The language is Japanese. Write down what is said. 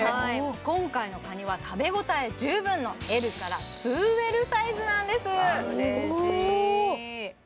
今回のカニは食べ応え十分のＬから２Ｌサイズなんです嬉しい